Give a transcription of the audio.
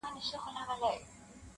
• یو سړي ؤ په یو وخت کي سپی ساتلی,